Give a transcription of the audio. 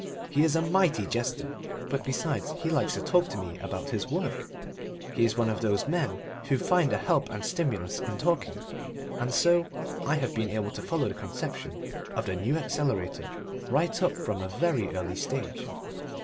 He is a mighty jester, but, besides, he likes to talk to me about his work; he is one of those men who find a help and stimulus in talking, and so I have been able to follow the conception of the New Accelerator right up from a very early stage.